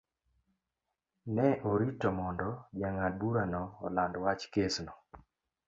Ne orito mondo jang'ad-burano oland wach kesno.